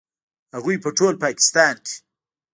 هغوی په ټول پاکستان کې